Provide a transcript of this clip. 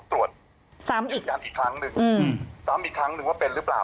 ต้องตรวจยืดยานอีกครั้งหนึ่งซ้ำอีกครั้งหนึ่งว่าเป็นหรือเปล่า